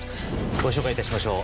ご紹介いたしましょう。